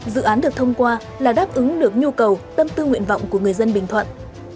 dự án được thông qua là đáp ứng được nhu cầu tâm tư nguyện vọng của người dân bình thuận